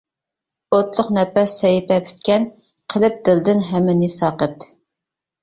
ئوتلۇق نەپەس سەھىپە پۈتكەن، قىلىپ دىلدىن ھەممىنى ساقىت.